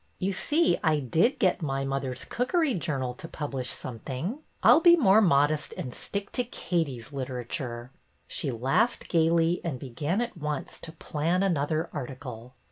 '' You see, I did get My Mother's Cookery Journal to publish something. I 'll be more mod est and stick to Katie's literature." She laughed gayly and began at once to plan another article.